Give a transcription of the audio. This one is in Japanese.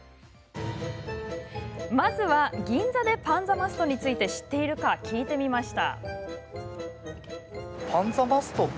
まずは、銀座でパンザマストについて知っているか聞いてみました。